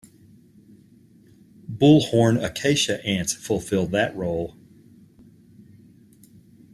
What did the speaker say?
Bullhorn acacia ants fulfil that role.